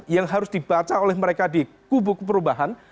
yang harus dibaca oleh mereka di kubu perubahan